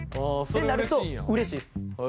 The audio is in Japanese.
ってなると嬉しいです。